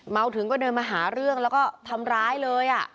ถึงก็เดินมาหาเรื่องแล้วก็ทำร้ายเลย